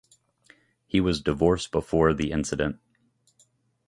He was divorced before the incident.